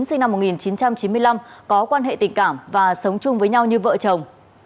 sinh năm một nghìn chín trăm chín mươi năm có quan hệ tình cảm và sống chung với nhau như vợ chồng